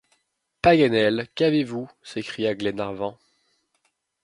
Paganel! qu’avez-vous? s’écria Glenarvan.